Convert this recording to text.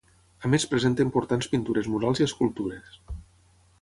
A més presenta importants pintures murals i escultures.